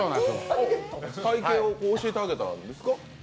体験を教えてあげたんですか？